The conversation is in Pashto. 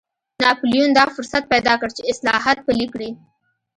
ناپلیون دا فرصت پیدا کړ چې اصلاحات پلي کړي.